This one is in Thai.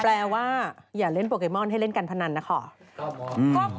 แปลว่าอย่าเล่นโปรแกโมนให้เล่นกันพนันนะครับ